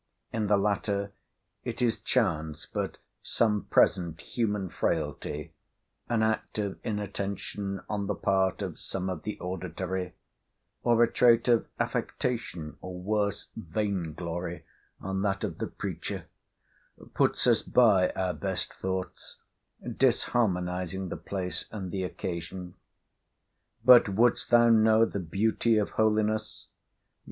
In the latter it is chance but some present human frailty—an act of inattention on the part of some of the auditory—or a trait of affectation, or worse, vain glory, on that of the preacher—puts us by our best thoughts, disharmonising the place and the occasion. But would'st thou know the beauty of holiness?